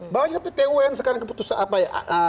banyak pt un sekarang keputusan apa ya